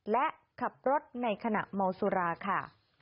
และขับรถในขณะเมาสุราค่ะ